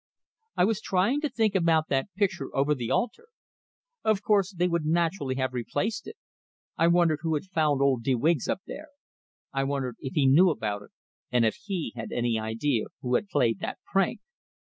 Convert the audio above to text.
I was trying to think about that picture over the altar. Of course, they would naturally have replaced it! I wondered who had found old de Wiggs up there; I wondered if he knew about it, and if he had any idea who had played that prank.